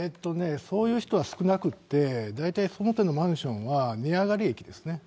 そういう人は少なくって、大体この手のマンションは値上がり益ですね。